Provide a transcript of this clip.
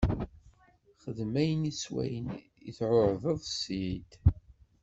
Xdem ayen s wayen i tɛuhdeḍ Ssid.